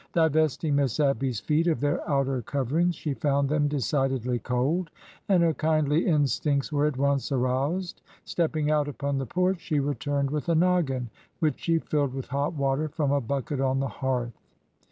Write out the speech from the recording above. Divesting Miss Abby's feet of their outer coverings, she found them decidedly cold, and her kindly instincts were at once aroused. Stepping out upon the porch, she returned with a noggin, which she filled with hot water from a bucket on the hearth.